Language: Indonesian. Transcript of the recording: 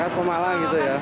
siokas pemalang gitu ya